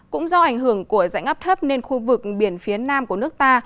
cũng do ảnh hưởng của dãy ngắp thấp nên khu vực biển phía nam của nước ta